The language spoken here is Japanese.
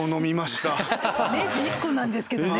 ネジ１個なんですけどね。